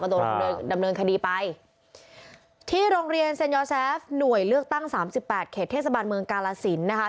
โดนดำเนินคดีไปที่โรงเรียนเซ็นยอแซฟหน่วยเลือกตั้งสามสิบแปดเขตเทศบาลเมืองกาลสินนะคะ